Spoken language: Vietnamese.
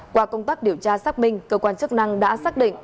qua công tác điều tra xác minh cơ quan chức năng đã xác định